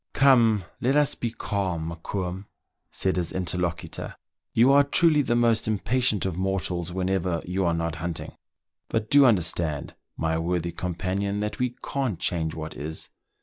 " Come, let's be calm, Mokoum," said his interlocutor. "You are truly the most impatient of mortals whenever you are not hunting ; but do understand, my worthy com panion, that we can't change what is.